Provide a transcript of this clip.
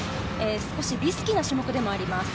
少しリスキーな種目でもあります。